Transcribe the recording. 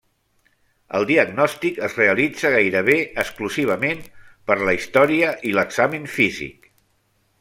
El diagnòstic es realitza gairebé exclusivament per la història i l'examen físic.